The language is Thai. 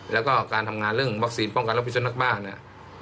แล้วก็การทำงานเรื่องวัคซีนป้องกันและพิสุนักบ้าเนี่ย